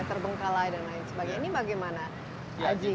terbengkalai dan lain sebagainya ini bagaimana aji